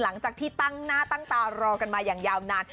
หลังจากที่ตั้งหน้าตั้งตารอกันมาอย่างยาวนาน